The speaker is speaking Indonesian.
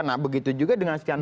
nah begitu juga dengan si novanto